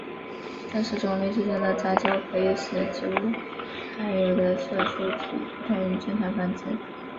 但是种类之间的杂交可以使植物含有的色素体不同于正常繁殖。